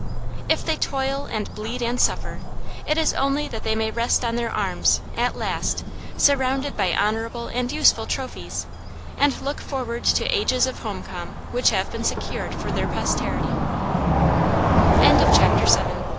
If they toil and bleed and suffer, it is only that they may rest on their arms, at last, surrounded by honorable and useful trophies, and look forward to ages of home calm which have been secur